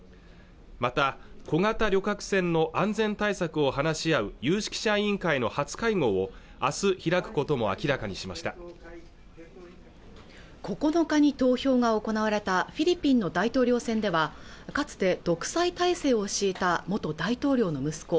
また小型旅客船の安全対策を話し合う有識者委員会の初会合をあす開くことも明らかにしました９日に投票が行われたフィリピンの大統領選ではかつて独裁体制を敷いた元大統領の息子